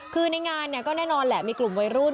คือในงานเนี่ยก็แน่นอนแหละมีกลุ่มวัยรุ่น